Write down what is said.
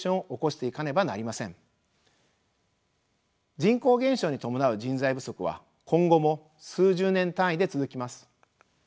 人口減少に伴う人材不足は今後も数十年単位で続きます。